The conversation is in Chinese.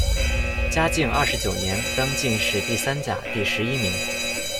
嘉靖二十九年，登进士第三甲第十一名。